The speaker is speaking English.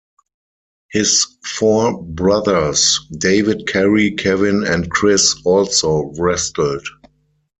His four brothers, David, Kerry, Kevin and Chris, also wrestled.